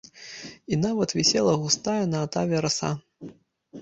І нават вісела густая на атаве раса.